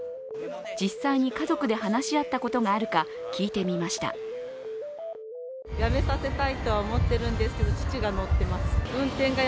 実際に家族で話し合ったことがあるか聞いてみました。